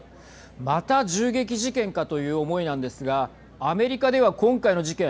また、銃撃事件かという思いなんですがアメリカでは今回の事件